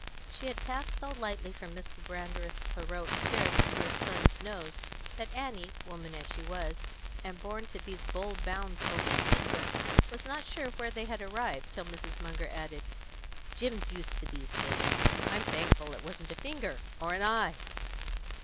She had passed so lightly from Mr. Brandreth's heroic spirit to her son's nose that Annie, woman as she was, and born to these bold bounds over sequence, was not sure where they had arrived, till Mrs. Munger added: "Jim's used to these things. I'm thankful it wasn't a finger, or an eye.